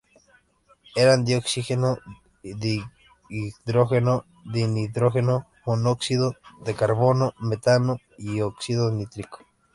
Eran dioxígeno, dihidrógeno, dinitrógeno, monóxido de carbono, metano y óxido nítrico.